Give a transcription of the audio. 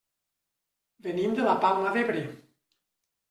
Venim de la Palma d'Ebre.